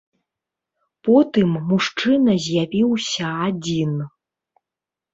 Потым мужчына з'явіўся адзін.